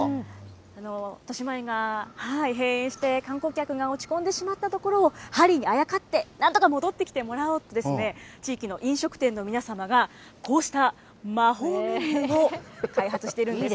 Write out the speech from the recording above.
としまえんが閉園して、観光客が落ち込んでしまったところを、ハリーにあやかって、なんとか戻ってきてもらおうと、地域の飲食店の皆様が、こうした魔法メニューを開発しているんです。